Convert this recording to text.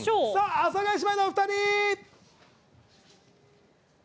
阿佐ヶ谷姉妹のお二人！